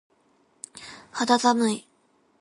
肌寒い。